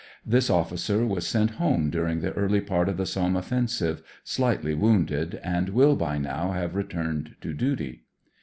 This officer was sent home during the early part of the Somme offensive, sUghtly wounded, and will by now have returned to duty.